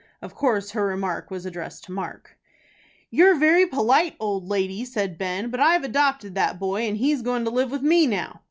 Of course her remark was addressed to Mark. "You're very polite, old lady," said Ben; "but I've adopted that boy, and he's goin' to live with me now."